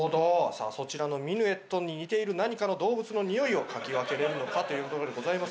さあそちらのミヌエットに似ている何かの動物のにおいを嗅ぎ分けられるのかというところでございます。